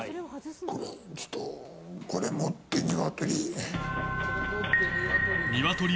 ちょっと、これを持ってニワトリ。